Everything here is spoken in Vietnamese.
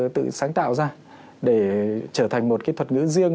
tự sáng tạo ra để trở thành một cái thuật ngữ riêng